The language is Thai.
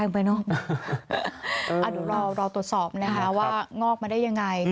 เดี๋ยวรอตรวจสอบนะคะว่างอกมาได้ยังไง